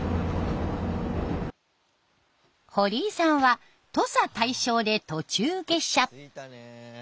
堀井さんは土佐大正で途中下車。